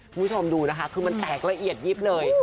คุณผู้ชมดูนะคะคือมันแตกละเอียดยิบเลย